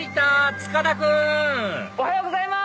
塚田君おはようございます！